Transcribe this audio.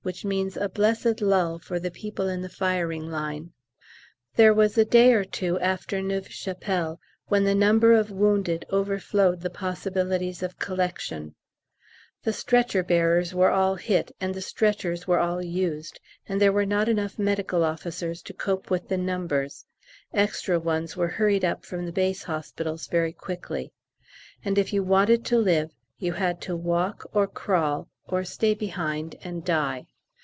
which means a blessed lull for the people in the firing line. There was a day or two after Neuve Chapelle when the number of wounded overflowed the possibilities of "collection"; the stretcher bearers were all hit and the stretchers were all used, and there were not enough medical officers to cope with the numbers (extra ones were hurried up from the Base Hospitals very quickly), and if you wanted to live you had to walk or crawl, or stay behind and die.